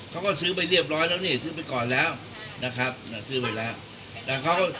เขาก็ซื้อไปเรียบร้อยแล้วนี่ซื้อไปก่อนแล้วนะครับซื้อไปแล้วนะ